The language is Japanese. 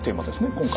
今回。